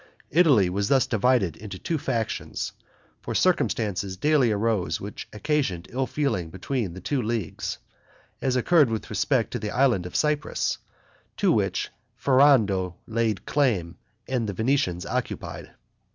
Italy was thus divided in two factions; for circumstances daily arose which occasioned ill feeling between the two leagues; as occurred with respect to the island of Cyprus, to which Ferrando laid claim, and the Venetians occupied.